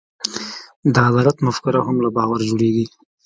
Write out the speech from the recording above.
د عدالت مفکوره هم له باور جوړېږي.